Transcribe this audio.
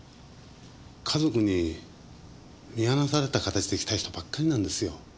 家族に見放された形で来た人ばっかりなんですよ。